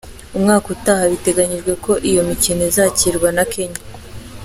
Umwaka utaha biteganyijwe ko iyo mikino izakirwa na Kenya.